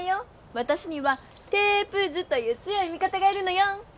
わたしには「テープ図」という強いみ方がいるのよん！